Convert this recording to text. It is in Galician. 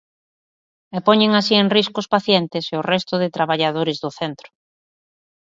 E poñen así en risco os pacientes e o resto de traballadores do centro.